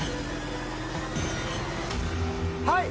はい。